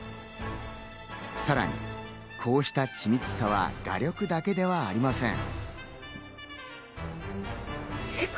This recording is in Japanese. さらに、こうした緻密さは画力だけではありません。